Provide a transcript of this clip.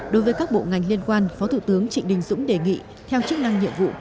đối với các bộ ngành liên quan phó thủ tướng trịnh đình dũng đề nghị theo chức năng nhiệm vụ